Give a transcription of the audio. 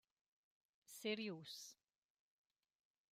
Serius.